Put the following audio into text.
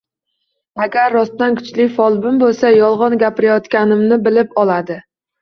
Agar rostdan kuchli folbin bo`lsa yolg`on gapirayotganimni bilib oladi